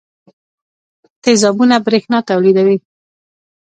تیزابونه برېښنا تولیدوي.